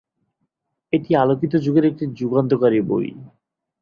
এটি আলোকিত যুগের একটি যুগান্তকারী বই।